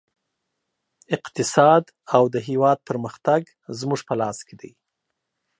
اقتصاد او د هېواد پرمختګ زموږ په لاس کې دی